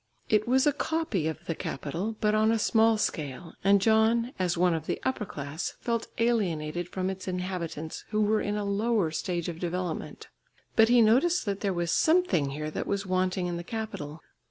It was a copy of the capital but on a small scale, and John, as one of the upper class, felt alienated from its inhabitants, who were in a lower stage of development. But he noticed that there was something here that was wanting in the capital.